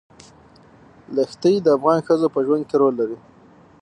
ښتې د افغان ښځو په ژوند کې رول لري.